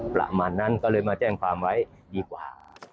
ประมาณนั้นก็เลยมาแจ้งความไว้ดีกว่า